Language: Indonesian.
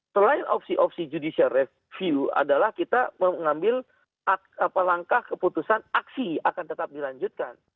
selain opsi opsi judicial review adalah kita mengambil langkah keputusan aksi akan tetap dilanjutkan